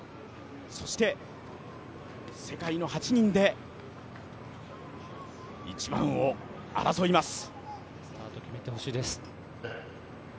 そして世界の８人で１番を争います。